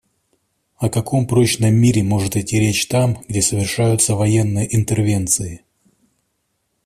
О каком прочном мире может идти речь там, где совершаются военные интервенции?